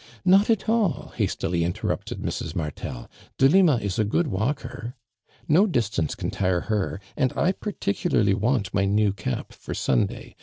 '' Not at all, "hastily inten upted Mrs. Mar tel. " Delima is a gootl walker. No dis tance can tire her, and I particularly want my new cap for Sunday.